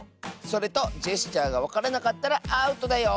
それとジェスチャーがわからなかったらアウトだよ！